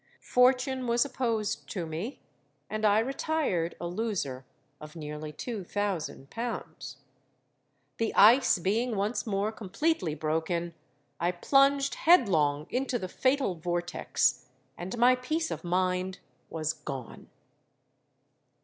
Fortune was opposed to me; and I retired a loser of nearly two thousand pounds. The ice being once more completely broken, I plunged headlong into the fatal vortex; and my peace of mind was gone!